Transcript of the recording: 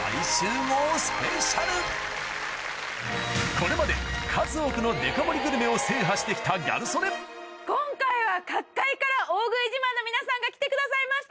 これまで数多くのデカ盛りグルメを制覇してきたギャル曽根の皆さんが来てくださいました。